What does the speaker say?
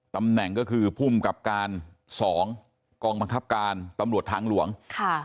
ตำแหน่งก็คือภูมิกับการสองกองบังคับการตำรวจทางหลวงค่ะ